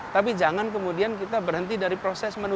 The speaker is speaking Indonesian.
tapi jangan kemudian kita berhenti dari proses menuju